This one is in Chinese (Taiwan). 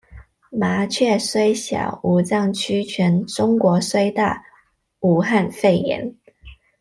麻雀雖小，五臟俱全；中國雖大，武漢肺炎